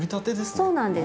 そうなんです。